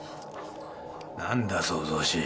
なんだ騒々しい。